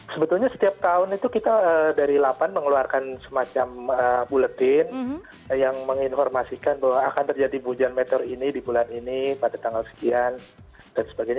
sebetulnya setiap tahun itu kita dari lapan mengeluarkan semacam buletin yang menginformasikan bahwa akan terjadi hujan meter ini di bulan ini pada tanggal sekian dan sebagainya